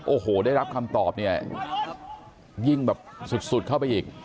โอ้โหได้รับคำตอบเนี่ยยิ่งแบบสุดเข้าไปอีก